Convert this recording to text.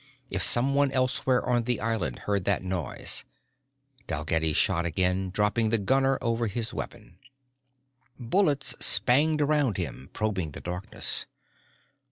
If someone elsewhere on the island heard that noise Dalgetty shot again, dropping the gunner over his weapon. Bullets spanged around him, probing the darkness.